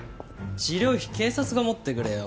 治療費警察が持ってくれよ。